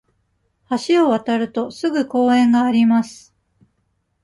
橋を渡ると、すぐ公園があります。